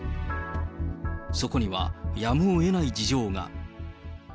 そこにはやむをえない事情が。